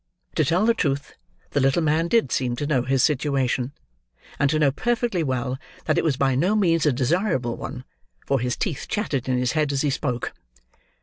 To tell the truth, the little man did seem to know his situation, and to know perfectly well that it was by no means a desirable one; for his teeth chattered in his head as he spoke.